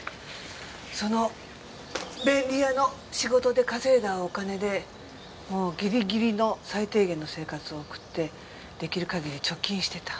その便利屋の仕事で稼いだお金でもうギリギリの最低限の生活を送ってできる限り貯金してた。